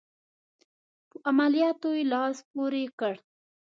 په عملیاتو لاس پوري کړ.